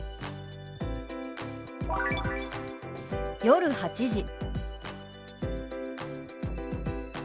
「夜８時」。